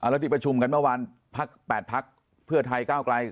แล้วที่ประชุมกันเมื่อวานพัก๘พักเพื่อไทยก้าวไกล